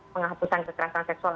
penghapusan kekerasan seksual